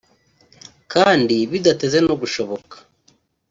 kandi bidateze no gushoboka